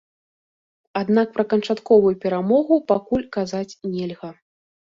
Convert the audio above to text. Аднак пра канчатковую перамогу пакуль казаць нельга.